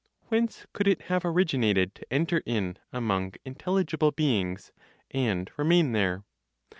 Whence could it have originated to enter in (among intelligible beings), and remain there?